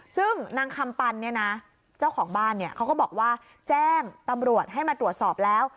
ซึ่งนางคำปันเนี่ยนะเจ้าของบ้านเนี่ยเขาก็บอกว่าแจ้งตำรวจให้มาตรวจสอบแล้ว